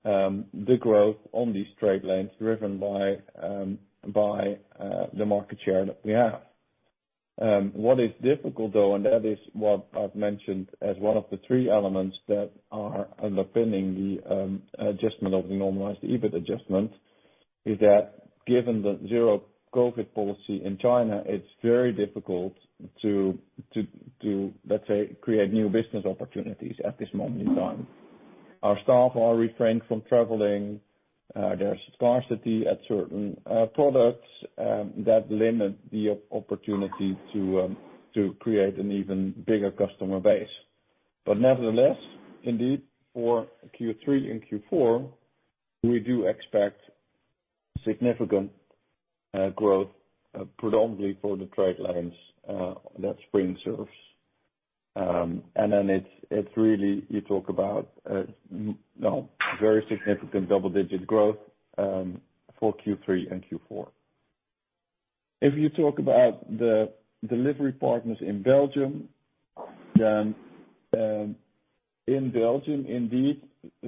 C: the growth on these trade lanes driven by the market share that we have. What is difficult though, and that is what I've mentioned as one of the three elements that are underpinning the adjustment of the normalized EBIT adjustment, is that given the zero-COVID policy in China, it's very difficult to, let's say, create new business opportunities at this moment in time. Our staff are restrained from traveling. There's scarcity at certain products that limit the opportunity to create an even bigger customer base. But nevertheless, indeed, for Q3 and Q4, we do expect significant growth, predominantly for the trade lines that Spring serves. It's really you talk about very significant double-digit growth for Q3 and Q4. If you talk about the delivery partners in Belgium, then in Belgium, indeed, I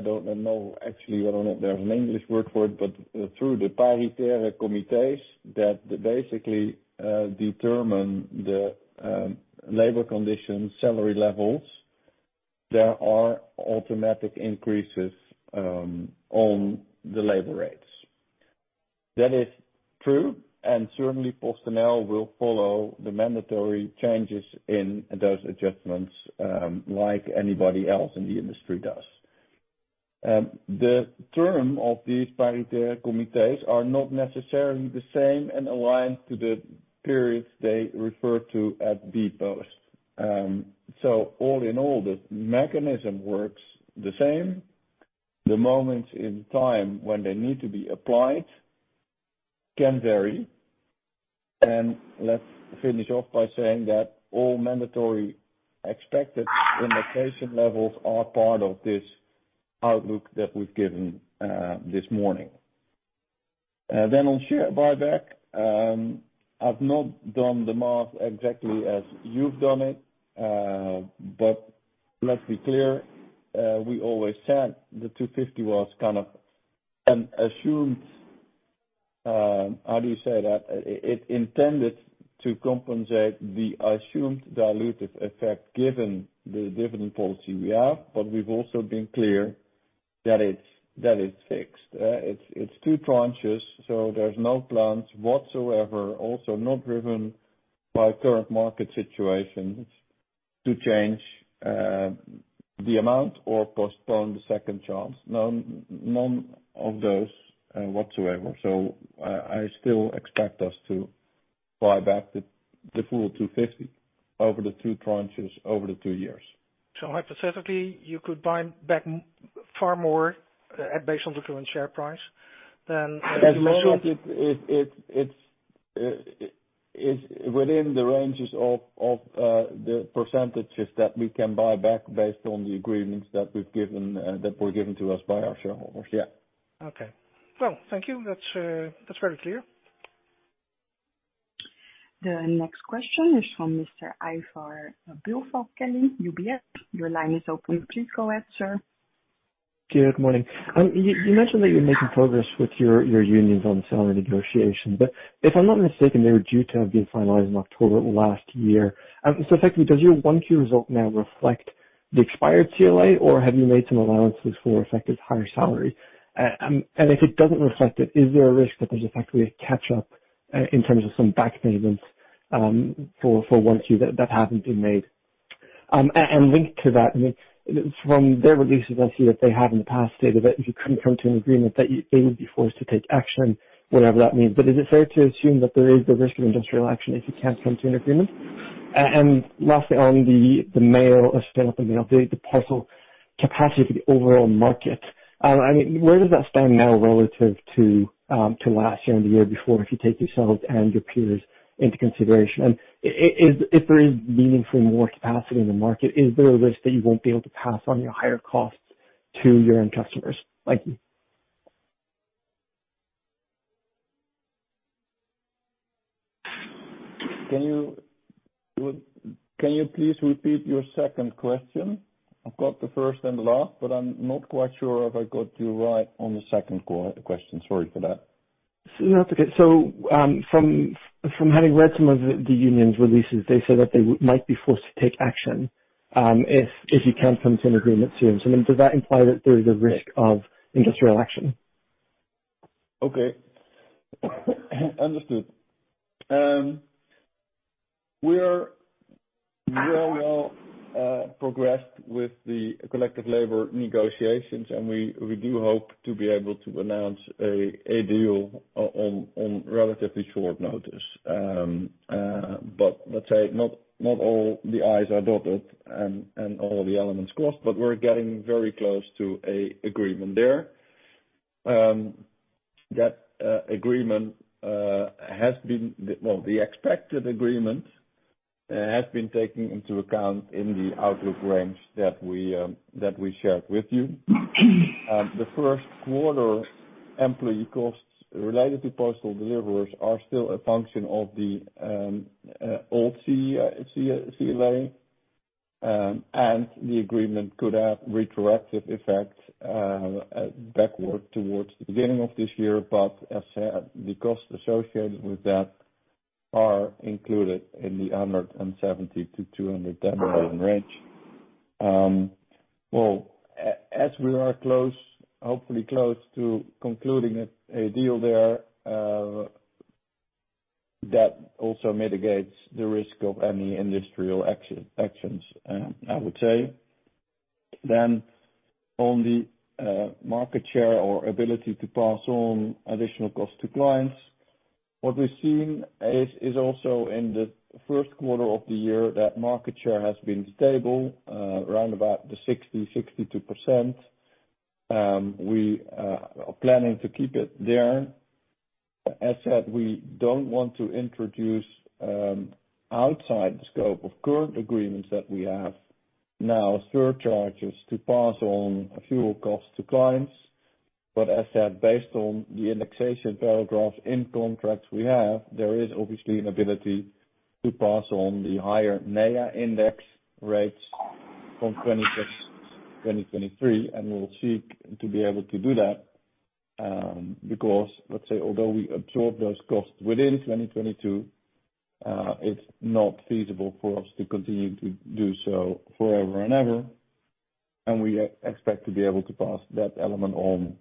C: don't know actually if there's an English word for it, but through the paritaire comités that basically determine the labor conditions, salary levels, there are automatic increases on the labor rates. That is true, and certainly PostNL will follow the mandatory changes in those adjustments, like anybody else in the industry does. The term of these paritaire comités are not necessarily the same and aligned to the periods they refer to as bpost. All in all, the mechanism works the same. The moments in time when they need to be applied can vary. Let's finish off by saying that all mandatory expected inflation levels are part of this outlook that we've given this morning. Then on share buyback, I've not done the math exactly as you've done it. But let's be clear, we always said the 250 was kind of an assumed, how do you say that? It intended to compensate the assumed dilutive effect given the dividend policy we have, but we've also been clear that it's fixed. It's two tranches, so there's no plans whatsoever, also not driven by current market situations, to change the amount or postpone the second tranche. None of those whatsoever. I still expect us to buy back the full 250 over the two tranches over the two years.
G: Hypothetically, you could buy back far more based on the current share price than-
C: As long as it's within the ranges of the percentages that we can buy back based on the agreements that we've given, that were given to us by our shareholders. Yeah.
G: Okay. Well, thank you. That's very clear.
A: The next question is from Mr. Ivar Billfalk-Kelly, UBS. Your line is open. Please go ahead, sir.
H: Good morning. You mentioned that you're making progress with your unions on salary negotiations. If I'm not mistaken, they were due to have been finalized in October of last year. Effectively, does your 1Q result now reflect the expired CLA, or have you made some allowances for effective higher salary? If it doesn't reflect it, is there a risk that there's effectively a catch-up in terms of some back payments for 1Q that haven't been made? Linked to that, I mean, from their releases, I see that they have in the past stated that if you couldn't come to an agreement that they would be forced to take action, whatever that means. Is it fair to assume that there is the risk of industrial action if you can't come to an agreement? Last, on the mail or stamp and mail, the parcel capacity for the overall market, I mean, where does that stand now relative to last year and the year before if you take yourselves and your peers into consideration? If there is meaningfully more capacity in the market, is there a risk that you won't be able to pass on your higher costs to your end customers? Thank you.
C: Can you please repeat your second question? I've got the first and the last, but I'm not quite sure if I got you right on the second question. Sorry for that.
H: No, that's okay. From having read some of the union's releases, they said that they might be forced to take action, if you can't come to an agreement soon. Does that imply that there is a risk of industrial action?
C: Okay. Understood. We are very well progressed with the collective labor negotiations, and we do hope to be able to announce a deal on relatively short notice. Let's say not all the i's are dotted and all the t's crossed, but we're getting very close to an agreement there. The expected agreement has been taken into account in the outlook range that we shared with you. The first quarter employee costs related to postal deliverers are still a function of the old CLA, and the agreement could have retroactive effect backward towards the beginning of this year. As said, the costs associated with that are included in the 170 million-200 million range. Well, as we are close, hopefully close to concluding a deal there, that also mitigates the risk of any industrial actions, I would say. On the market share or ability to pass on additional costs to clients, what we're seeing is also in the first quarter of the year that market share has been stable, around about 62%. We are planning to keep it there. As said, we don't want to introduce outside the scope of current agreements that we have now surcharges to pass on fuel costs to clients. As said, based on the indexation paragraphs in contracts we have, there is obviously an ability to pass on the higher NEA index rates from 2023, and we will seek to be able to do that, because let's say although we absorb those costs within 2022, it's not feasible for us to continue to do so forever and ever. We expect to be able to pass that element on,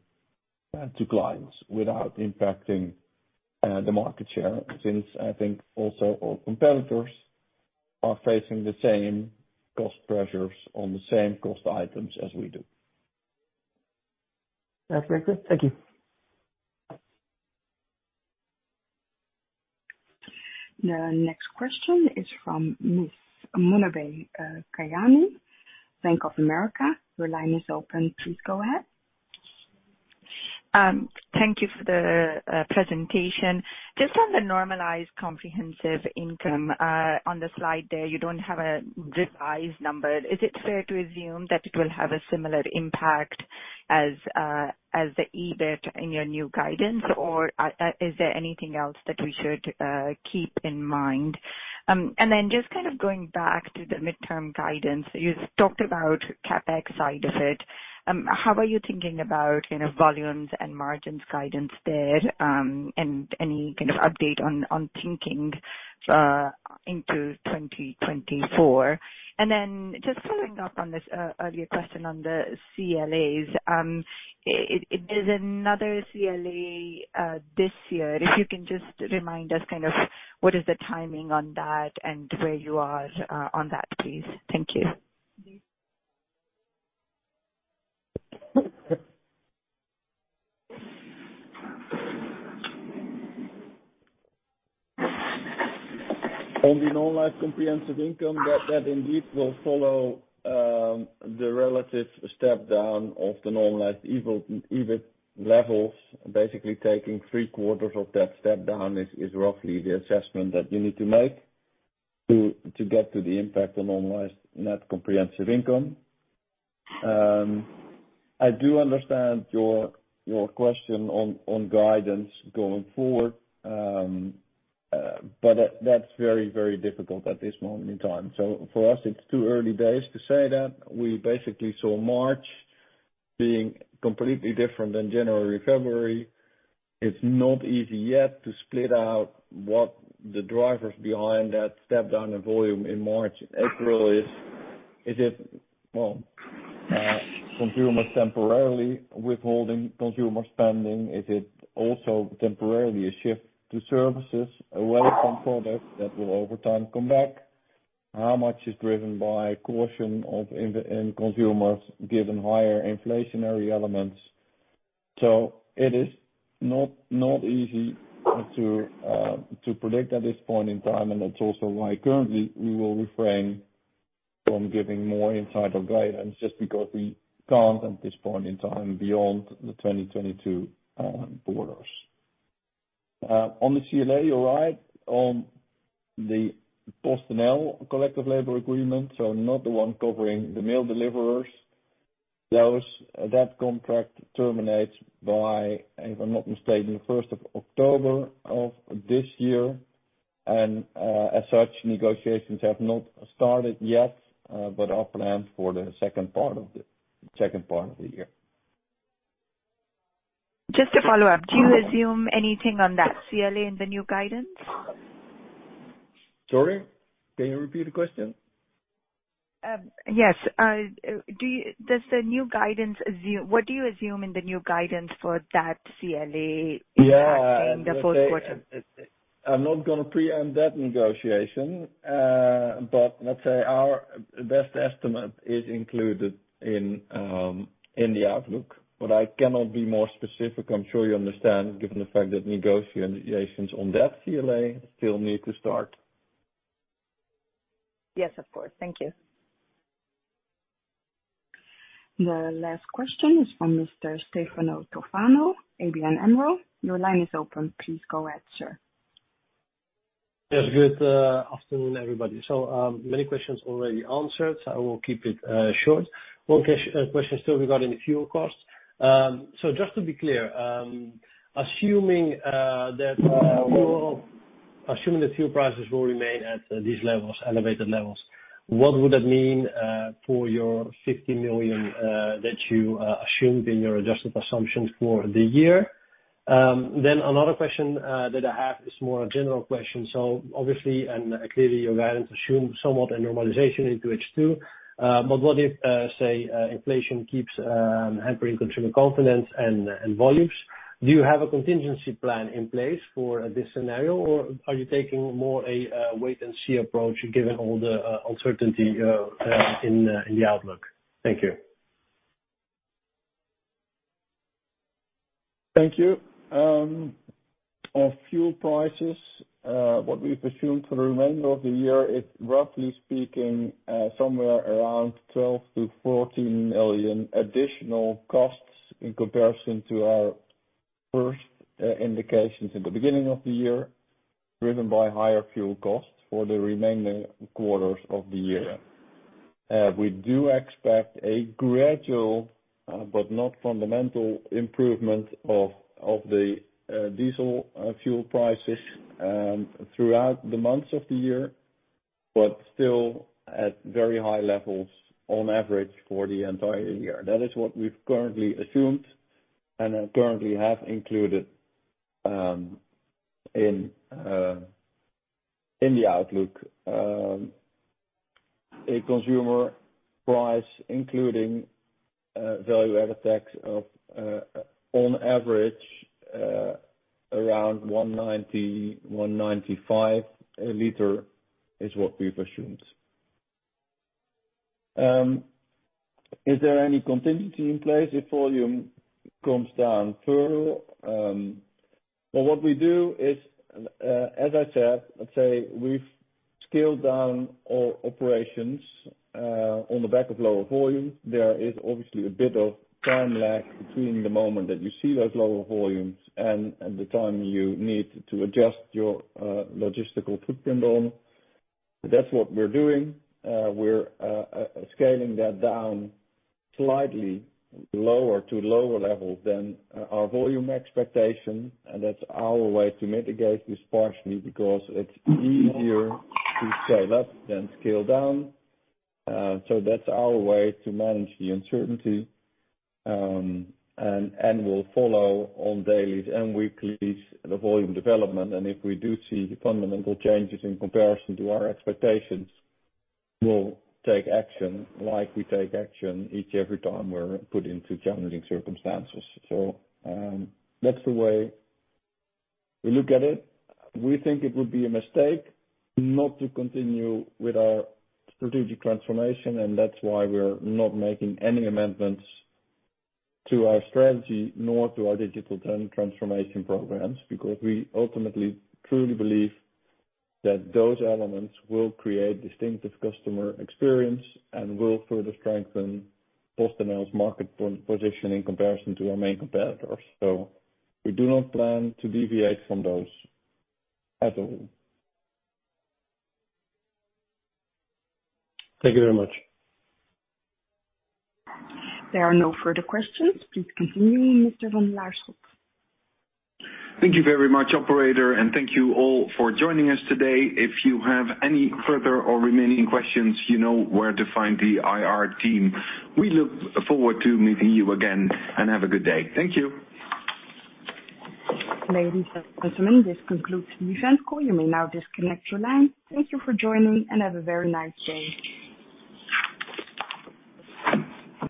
C: to clients without impacting, the market share since I think also our competitors are facing the same cost pressures on the same cost items as we do.
H: That's very good. Thank you.
A: The next question is from Ms. Muneeba Kayani, Bank of America. Your line is open. Please go ahead.
I: Thank you for the presentation. Just on the normalized comprehensive income, on the slide there, you don't have a revised number. Is it fair to assume that it will have a similar impact as the EBIT in your new guidance, or is there anything else that we should keep in mind? Just kind of going back to the midterm guidance, you talked about CapEx side of it. How are you thinking about, you know, volumes and margins guidance there, and any kind of update on thinking into 2024? Just following up on this earlier question on the CLAs, is another CLA this year. If you can just remind us kind of what is the timing on that and where you are on that, please. Thank you.
C: On the normalized comprehensive income, that indeed will follow the relative step down of the normalized EBIT levels. Basically taking three quarters of that step down is roughly the assessment that you need to make to get to the impact on normalized net comprehensive income. I do understand your question on guidance going forward, but that's very difficult at this moment in time. For us, it's too early days to say that. We basically saw March being completely different than January, February. It's not easy yet to split out what the drivers behind that step down in volume in March, April is. Is it, well, consumers temporarily withholding consumer spending? Is it also temporarily a shift to services away from products that will over time come back? How much is driven by caution of investor and end consumers given higher inflationary elements? It is not easy to predict at this point in time, and it's also why currently we will refrain from giving more insight or guidance just because we can't at this point in time beyond the 2022 borders. On the CLA, you're right. On the PostNL collective labor agreement, so not the one covering the mail deliverers, that contract terminates by, if I'm not mistaken, the first of October of this year. As such, negotiations have not started yet, but are planned for the second part of the year.
I: Just to follow up, do you assume anything on that CLA in the new guidance?
C: Sorry, can you repeat the question?
I: Yes. What do you assume in the new guidance for that CLA impacting the first quarter?
C: Yeah. I'm not gonna preempt that negotiation, but let's say our best estimate is included in the outlook, but I cannot be more specific. I'm sure you understand, given the fact that negotiations on that CLA still need to start.
I: Yes, of course. Thank you.
A: The last question is from Mr. Stefano Toffano, ABN AMRO. Your line is open. Please go ahead, sir.
J: Yes. Good afternoon, everybody. Many questions already answered, so I will keep it short. One question still regarding the fuel costs. Just to be clear, assuming that fuel prices will remain at these elevated levels, what would that mean for your 50 million that you assumed in your adjusted assumptions for the year? Another question that I have is more a general question. Obviously, and clearly, your guidance assumes somewhat a normalization into H2, but what if, say, inflation keeps hampering consumer confidence and volumes? Do you have a contingency plan in place for this scenario, or are you taking more a wait and see approach, given all the uncertainty in the outlook? Thank you.
C: Thank you. On fuel prices, what we've assumed for the remainder of the year is roughly speaking, somewhere around 12 million-14 million additional costs in comparison to our first indications at the beginning of the year, driven by higher fuel costs for the remaining quarters of the year. We do expect a gradual, but not fundamental improvement of the diesel fuel prices throughout the months of the year, but still at very high levels on average for the entire year. That is what we've currently assumed and currently have included in the outlook. A consumer price, including value-added tax of, on average around 1.90 L, 1.95 L is what we've assumed. Is there any contingency in place if volume comes down further? Well, what we do is, as I said, let's say we've scaled down our operations on the back of lower volume. There is obviously a bit of time lag between the moment that you see those lower volumes and the time you need to adjust your logistical footprint on. That's what we're doing. We're scaling that down slightly lower to lower levels than our volume expectation. That's our way to mitigate this partially because it's easier to scale up than scale down. That's our way to manage the uncertainty. We'll follow on dailies and weeklies the volume development. If we do see fundamental changes in comparison to our expectations, we'll take action like we take action each and every time we're put into challenging circumstances. That's the way we look at it. We think it would be a mistake not to continue with our strategic transformation, and that's why we're not making any amendments to our strategy, nor to our digital transformation programs, because we ultimately truly believe that those elements will create distinctive customer experience and will further strengthen PostNL's market position in comparison to our main competitors. We do not plan to deviate from those at all.
J: Thank you very much.
A: There are no further questions. Please continue, Mr. van de Laarschot.
B: Thank you very much, operator, and thank you all for joining us today. If you have any further or remaining questions, you know where to find the IR team. We look forward to meeting you again, and have a good day. Thank you.
A: Ladies and gentlemen, this concludes the event call. You may now disconnect your line. Thank you for joining, and have a very nice day.